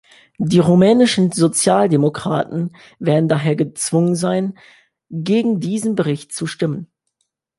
Die rumänischen Sozialdemokraten werden daher gezwungen sein, gegen diesen Bericht zu stimmen.